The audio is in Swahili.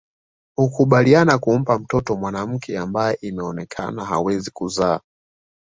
Hukubaliana kumpa mtoto mwanamke ambaye imeonekana hawezi kuzaa